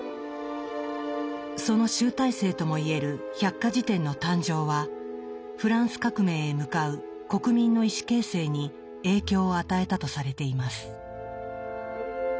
その集大成ともいえる百科事典の誕生はフランス革命へ向かう国民の意思形成に影響を与えたとされています。